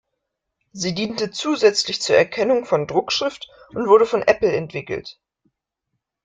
Sie diente zusätzlich zur Erkennung von Druckschrift und wurde von Apple entwickelt.